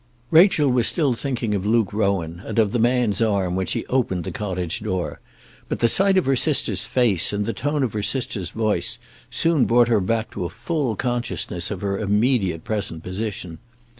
Rachel was still thinking of Luke Rowan and of the man's arm when she opened the cottage door, but the sight of her sister's face, and the tone of her sister's voice, soon brought her back to a full consciousness of her immediate present position.